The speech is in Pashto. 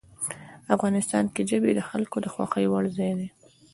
افغانستان کې ژبې د خلکو د خوښې وړ ځای دی.